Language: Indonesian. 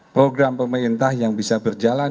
program pemerintah yang bisa berjalan